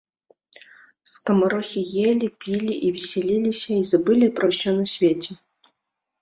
Скамарохі елі, пілі і весяліліся і забылі пра ўсё на свеце.